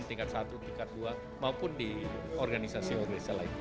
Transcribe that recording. tingkat satu tingkat dua maupun di organisasi organisasi lain